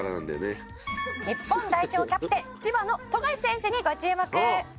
「日本代表キャプテン千葉の富樫選手にご注目！」